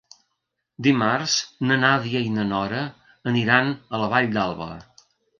Dimarts na Nàdia i na Nora aniran a la Vall d'Alba.